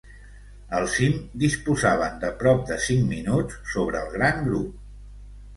Al cim disposaven de prop de cinc minuts sobre el gran grup.